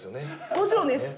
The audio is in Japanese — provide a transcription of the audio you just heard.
もちろんです。